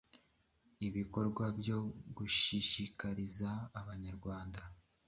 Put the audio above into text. ibikorwa byo gushishikariza Abanyarwanda